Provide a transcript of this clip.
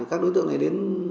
các đối tượng này đến